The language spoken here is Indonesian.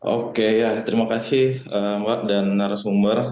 oke ya terima kasih mbak dan narasumber